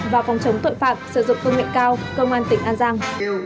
và phòng chống tội phạm sử dụng phương nguyện cao công an tỉnh an giang